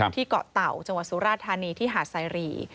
เกาะเต่าจังหวัดสุราธานีที่หาดไซรี